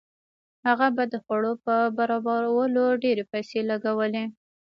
هغه به د خوړو په برابرولو ډېرې پیسې لګولې.